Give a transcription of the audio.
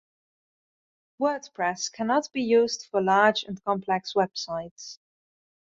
Wordpress cannot be used for large and complex websites.